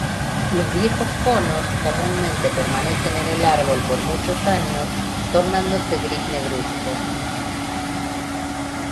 Los viejos conos comúnmente permanecen en el árbol por muchos años, tornándose gris negruzco.